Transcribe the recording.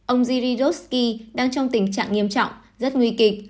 ông zyriosky đang trong tình trạng nghiêm trọng rất nguy kịch